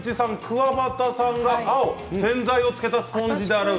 くわばたさんが青洗剤を付けたスポンジで洗う。